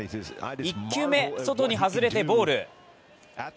１球目、外に外れてボール。